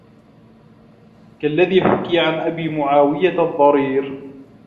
كَاَلَّذِي حُكِيَ عَنْ أَبِي مُعَاوِيَةَ الضَّرِيرِ